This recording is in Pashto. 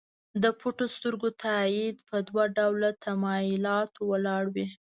د پټو سترګو تایید په دوه ډوله تمایلاتو ولاړ وي.